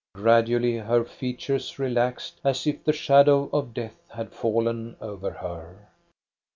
Gradually her features relaxed, as if the shadow of death had fallen over her.